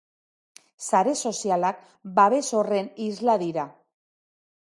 Sare sozialak babes horren isla dira.